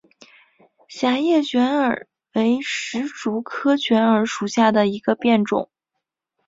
狭叶卷耳为石竹科卷耳属下的一个变种。